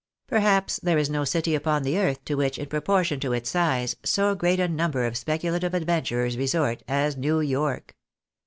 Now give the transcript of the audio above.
Perhaps there is no city upon the earth to which, in proportion to its size, so great a number of speculative adven turers resort, as New York.